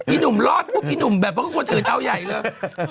อิหนุ่มบ้าทแบบพวกคนอื่นเอาใหญ่แล้ว